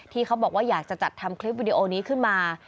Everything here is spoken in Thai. ที่เขาบอกว่าอยากจะจัดทำคลีปนี้ขึ้นมา